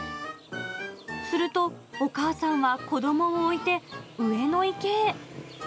すると、お母さんは子どもを置いて、上の池へ。